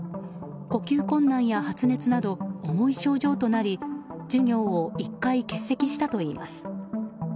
呼吸困難や発熱など重い症状となり授業を１回欠席したといいます。